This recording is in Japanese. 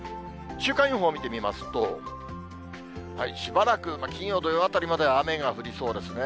週間予報を見てみますと、しばらく、金曜、土曜あたりまでは雨が降りそうですね。